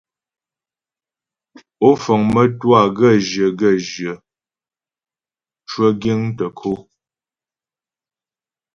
Ó fəŋ mə́twâ gaə́jyə gaə́jyə cwə giŋ tə ko.